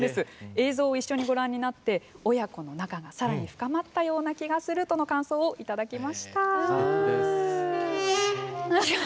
映像を一緒にご覧になって親子の仲がさらに深まったような気がするとの感想をいただきました。